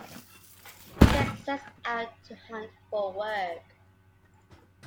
Tex sets out to hunt for work.